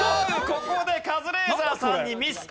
ここでカズレーザーさんにミス！